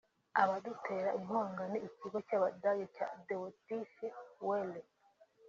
Abadutera inkunga ni ikigo cy’Abadage cya Deutsche Welle